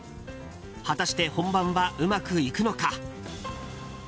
果たして、本番はうまくいくのか。